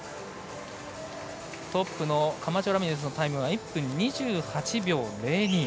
トップのカマチョラミレスのタイムが１分２８秒０２。